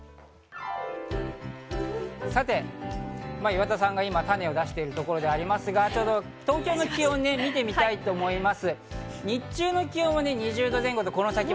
さて岩田さんが今、種を出しているところですが、東京の気温を見てみたいと思います。